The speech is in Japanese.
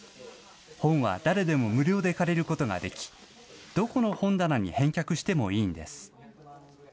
本は誰でも無料で借りることができ、どこの本棚に返却してもいいんです。